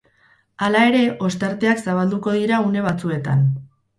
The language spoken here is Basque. Hala ere, ostarteak zabalduko dira une batzuetan.